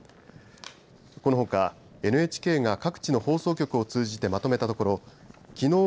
このほか、ＮＨＫが各地の放送局を通じて、まとめたところきのう